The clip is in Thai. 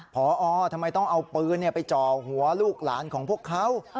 พอทำไมต้องเอาปืนไปจ่อหัวลูกหลานของพวกเขา